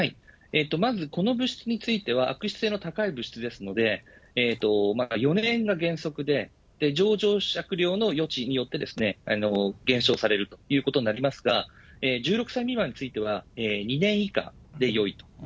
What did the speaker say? まずこの物質については、悪質性の高い物質ですので、４年が原則で、情状酌量の余地によって、減少されるということになりますが、１６歳未満については、２年以下でよいと。